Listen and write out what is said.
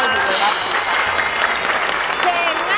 เย็นน่า